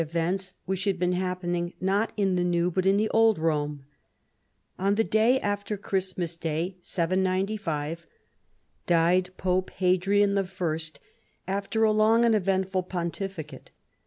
241 events which had been happening not in the New but in the Old Rome. On the day after Christmas Day, 795, died Pope Hadrian I. after a long and eventful pontificate.